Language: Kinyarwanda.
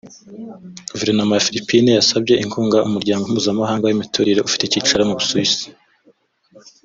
Guverinoma ya Philippines yasabye inkunga Umuryango Mpuzamahanga w’Imiturire ufite icyicaro mu Busuwisi